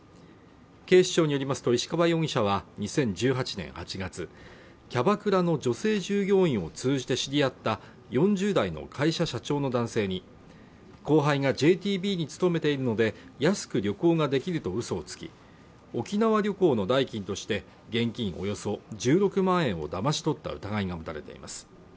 警視庁によりますと石川容疑者は、２０１８年８月、キャバクラの女性従業員を通じて知り合った４０代の会社社長の男性に後輩がＪＴＢに勤めているので、安く旅行ができると嘘をつき、沖縄旅行の代金として現金およそ１６万円をだまし取った疑いが持たれています。